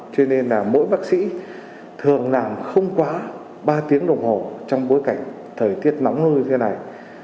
cho nên là mỗi bác sĩ thường làm không quá ba tiếng đồng hồ trong bối cảnh thời tiết nóng nui như thế này